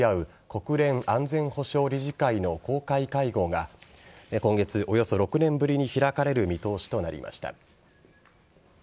北朝鮮の人権状況を話し合う国連安全保障理事会の公開会合が今月、およそ６年ぶりに開かれる見通しとなりました。